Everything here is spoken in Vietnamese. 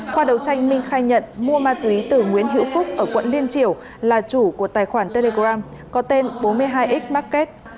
qua đầu tranh minh khai nhận mua ma túy từ nguyễn hữu phúc ở quận liên triều là chủ của tài khoản telegram có tên bốn mươi hai x market